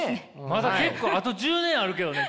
まだ結構あと１０年あるけどね